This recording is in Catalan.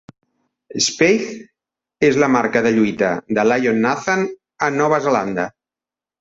Speight's és la marca de lluita de Lion Nathan a Nova Zelanda.